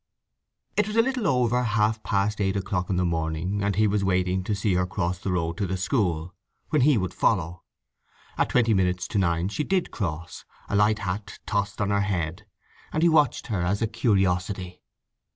It was a little over half past eight o'clock in the morning and he was waiting to see her cross the road to the school, when he would follow. At twenty minutes to nine she did cross, a light hat tossed on her head; and he watched her as a curiosity.